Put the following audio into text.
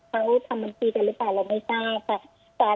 เขาทำมันจีนจัดลูกค้าเราไม่ทราบ